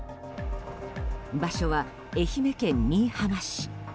場所は愛媛県新居浜市。